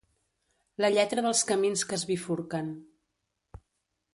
La lletra dels camins que es bifurquen.